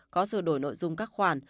có sự đổi nội dung các khoản